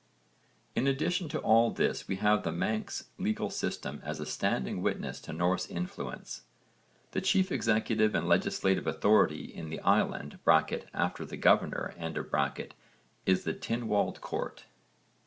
In addition to all this we have the Manx legal system as a standing witness to Norse influence. The chief executive and legislative authority in the island (after the Governor) is the Tynwald Court.